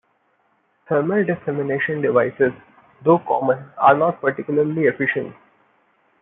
Thermal dissemination devices, though common, are not particularly efficient.